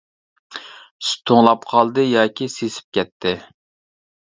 سۈت توڭلاپ قالدى ياكى سېسىپ كەتتى.